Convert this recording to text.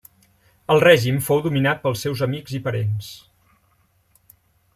El règim fou dominat pels seus amics i parents.